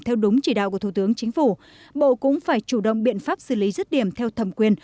theo đúng chỉ đạo của thủ tướng chính phủ bộ cũng phải chủ động biện pháp xử lý rứt điểm theo thẩm quyền